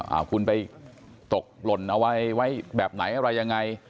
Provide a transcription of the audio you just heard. เอาคุณไปตกหล่นเอาไว้ไว้แบบไหนอะไรยังไง